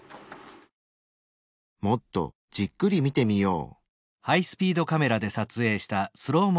もっとじっくり見てみよう。